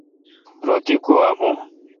رو تی گوا بھو۔